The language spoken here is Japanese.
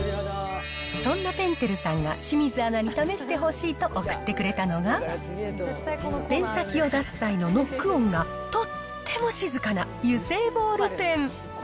そんなぺんてるさんが、清水アナに試してほしいと送ってくれたのが、ペン先を出す際のノック音がとっても静かな油性ボールペン。